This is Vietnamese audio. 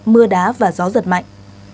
mưa đá và gió giật mạnh